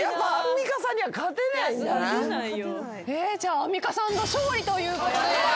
アンミカさんの勝利ということで。